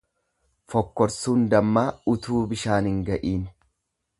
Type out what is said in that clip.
Fokkorsuun dammaa utuu bishaan hin ga'iin.